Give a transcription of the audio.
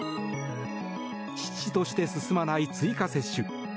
遅々として進まない追加接種。